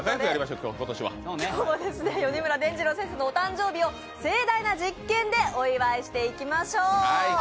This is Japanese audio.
今日は米村でんじろう先生のお誕生日を盛大な実験でお祝いしていきましょう。